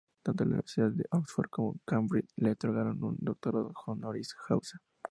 Tanto las universidades de Oxford como Cambridge le otorgaron un doctorado honoris causa.